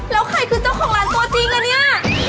แล้วใครคือเจ้าของร้านตัวจริงอ่ะเนี่ย